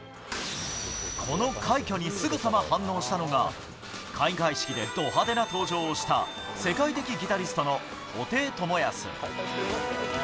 この快挙にすぐさま反応したのが開会式でド派手な登場をした世界的ギタリストの布袋寅泰。